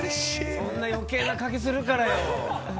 そんな余計な賭けするからよ。